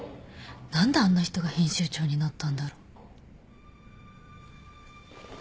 何であんな人が編集長になったんだろ。